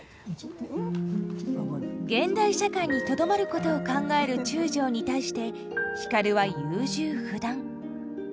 現代社会にとどまることを考える中将に対して光は優柔不断。